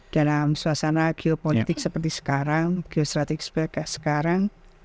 dan suasana geopolitik seperti sekarang geostratikspek sekarang